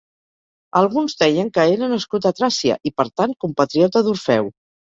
Alguns deien que era nascut a Tràcia, i per tant, compatriota d'Orfeu.